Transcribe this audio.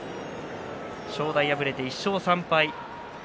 正代、敗れて１勝３敗。